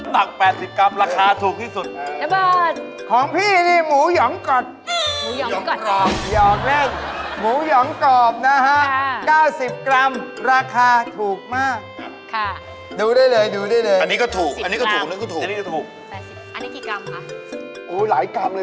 ถ้ากรรมจะเยอะอย่างนั้นนะคะ